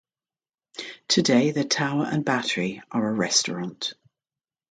Today, the tower and battery are a restaurant.